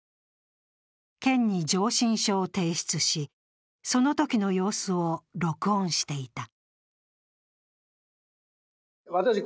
県に上申書を提出し、そのときの様子を録音していた。